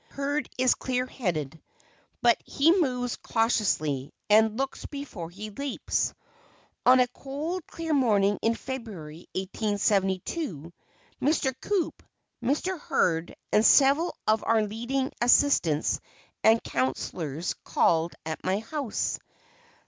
Hurd is clear headed, but he moves cautiously, and "looks before he leaps." On a cold, clear morning in February, 1872, Mr. Coup, Mr. Hurd, and several of our leading assistants and counsellors called at my house.